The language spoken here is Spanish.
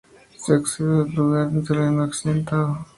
Se accede al lugar por un terreno accidentado.